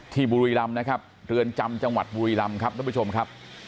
ที่บุรีลำเรือนจำจังหวัดบุรีลำ